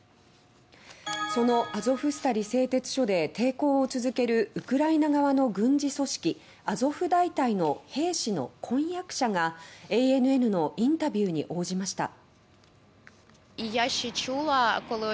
そのアゾフスタリ製鉄所で抵抗を続けるウクライナ側の軍事組織「アゾフ大隊」の兵士の婚約者がＡＮＮのインタビューに応じました。